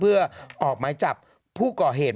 เพื่อออกหมายจับผู้ก่อเหตุ